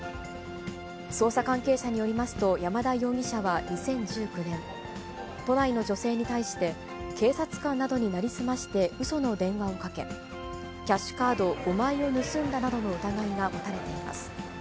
捜査関係者によりますと、山田容疑者は２０１９年、都内の女性に対して、警察官などに成り済ましてうその電話をかけ、キャッシュカード５枚を盗んだなどの疑いが持たれています。